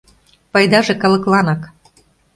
ПАЙДАЖЕ КАЛЫКЛАНАК